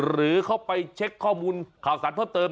หรือเข้าไปเช็คข้อมูลข่าวสารเพิ่มเติม